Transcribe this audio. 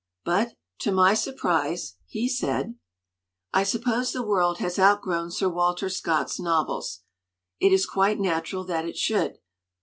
But, to my surprise, he said: "I suppose the world has outgrown Sir Walter Scott's novels. It is quite natural that it should.